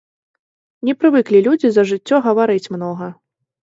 Не прывыклі людзі за жыццё гаварыць многа.